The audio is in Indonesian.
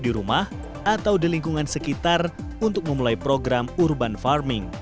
di rumah atau di lingkungan sekitar untuk memulai program urban farming